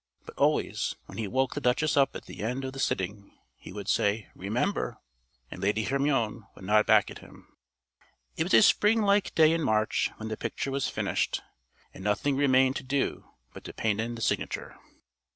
But always, when he woke the Duchess up at the end of the sitting, he would say "Remember!" and Lady Hermione would nod back at him. It was a spring like day in March when the picture was finished, and nothing remained to do but to paint in the signature.